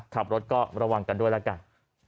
ขับรถก็ระวังกันด้วยแล้วกัน